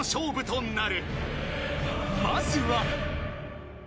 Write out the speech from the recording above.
［まずは］